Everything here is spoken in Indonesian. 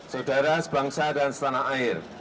saudara sebangsa dan setanah air